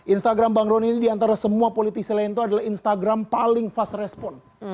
instagram bang roni ini diantara semua politisi lain tuh adalah instagram paling fast response